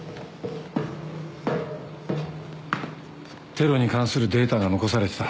テロに関するデータが残されてた。